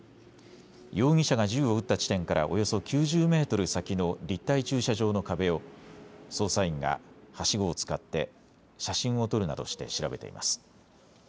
容疑者が銃を撃った地点からおよそ９０メートル先の立体駐車場の壁を捜査員がはしごを使って写真を撮るなどして調べています。